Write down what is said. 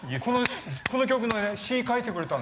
この曲の詞書いてくれたの。